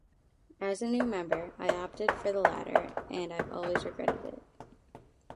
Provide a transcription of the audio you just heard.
As a new member, I opted for the latter and I've always regretted it.